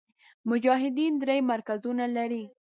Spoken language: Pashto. مجاهدین درې مرکزونه لري.